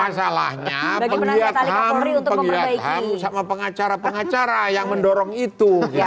masalahnya penlihatan sama pengacara pengacara yang mendorong itu